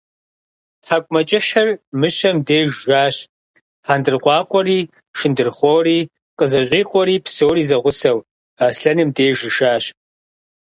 ТхьэкӀумэкӀыхьыр Мыщэм деж жащ, хьэндыркъуакъуэри, шындырхъуори къызэщӀикъуэри, псори зэгъусэу, Аслъэным деж ишащ.